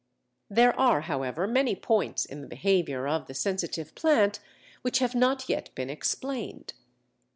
There are, however, many points in the behaviour of the Sensitive Plant which have not yet been explained.